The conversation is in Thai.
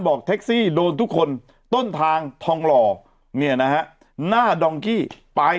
บอกเทคซีโดนทุกคนต้นทางทองหล่อเนี่ยนะฮะหน้าปลาย